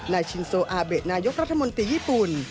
ชินโซอาเบะนายกรัฐมนตรีญี่ปุ่น